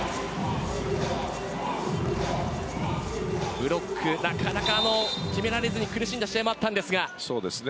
ブロック、なかなか決められず苦しんだ試合もあったんですが。